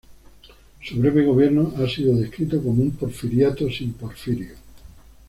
Su breve gobierno ha sido descrito como un porfiriato sin Porfirio.